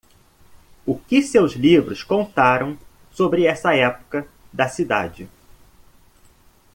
O que seus livros contaram sobre essa época da cidade?